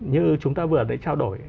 như chúng ta vừa đã trao đổi